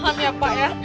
tahan ya pak ya